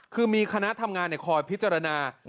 คือมีคณะทำงานคอยพิจารณา